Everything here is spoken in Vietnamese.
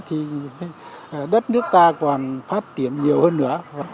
thì đất nước ta còn phát triển nhiều hơn nữa